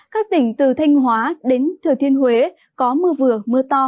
các tỉnh từ thanh hóa đến thừa thiên huế có mưa vừa mưa to